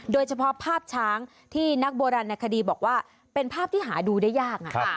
โดยเฉพาะภาพช้างที่นักโบราณในคดีบอกว่าเป็นภาพที่หาดูได้ยาก